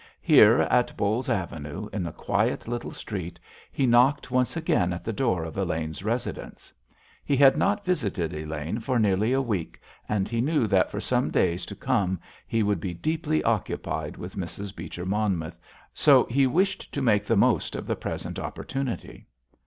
Here, at Bowles Avenue, in the quiet little street, he knocked once again at the door of Elaine's residence. He had not visited Elaine for nearly a week, and he knew that for some days to come he would be deeply occupied with Mrs. Beecher Monmouth, so he wished to make the most of the present opportunity.